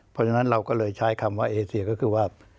เพราะฉะนั้นเราก็เลยใช้คำว่าเอเซียก็คือว่า